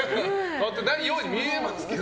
変わってないように見えますけど。